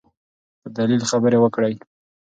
په دلیل خبرې وکړئ.